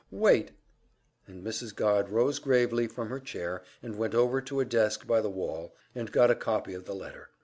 Wait " And Mrs. Godd rose gravely from her chair and went over to a desk by the wall, and got a copy of the letter.